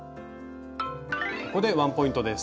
ここでワンポイントです！